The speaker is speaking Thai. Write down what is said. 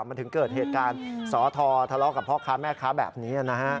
มันถึงเกิดเหตุการณ์สอทอทะเลาะกับพ่อค้าแม่ค้าแบบนี้นะฮะ